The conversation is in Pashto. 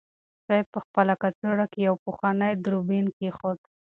سعید په خپله کڅوړه کې یو پخوانی دوربین کېښود.